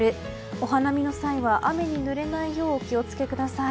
お花見の際は雨にぬれないようお気を付けください。